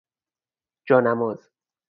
جا نماز